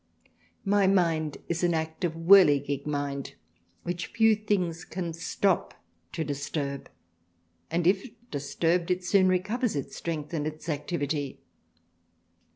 My mind is an active whirligig mind, which few things can stop to disturb, and if disturbed it soon recovers its Strength and its Activity."